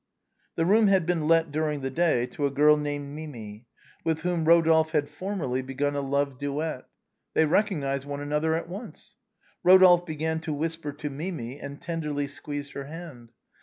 The room had been let during the day to a girl named Mimi, with whom Eodolphe had formerly begun a love duet. They recognized one another at once. Eodolphe began to whisper to Mimi, and tenderly squeezed her hand.